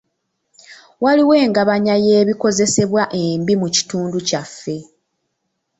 Waliwo engabanya y'ebikozesebwa embi mu kitundu kyaffe.